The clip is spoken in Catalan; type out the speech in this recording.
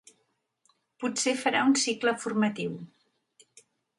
Potser farà un cicle formatiu.